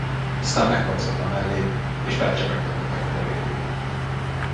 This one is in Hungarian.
Aztán megkarcolta a mellét, és belecsepegtette fekete vérét.